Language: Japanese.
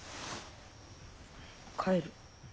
帰る。